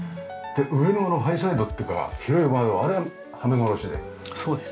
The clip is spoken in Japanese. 上のあのハイサイドっていうか広い窓あれははめ殺しで。